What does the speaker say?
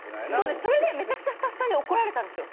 それでめちゃくちゃスタッフさんに怒られたんですよ。